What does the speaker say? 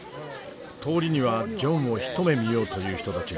通りにはジョンを一目見ようという人たちが。